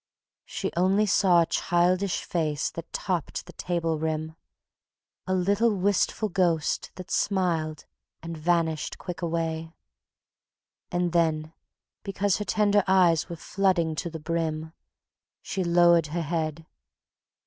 She only saw a childish face that topped the table rim, A little wistful ghost that smiled and vanished quick away; And then because her tender eyes were flooding to the brim, She lowered her head.